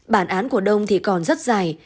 bản án của đông thì còn rất dài